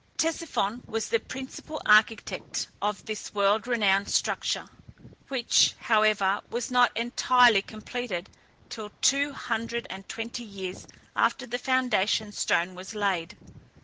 Ctesiphon was the principal architect of this world renowned structure, which, however, was not entirely completed till two hundred and twenty years after the foundation stone was laid.